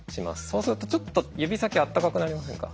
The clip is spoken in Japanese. そうするとちょっと指先あったかくなりませんか？